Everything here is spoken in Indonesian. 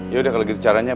yaudah kalau gitu caranya